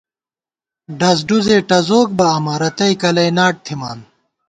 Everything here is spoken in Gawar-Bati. ڈز ڈُزے ٹَزوک بہ امہ ، رتئ کلئ ناٹ تھِمان